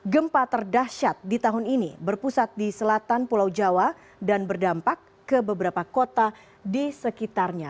gempa terdahsyat di tahun ini berpusat di selatan pulau jawa dan berdampak ke beberapa kota di sekitarnya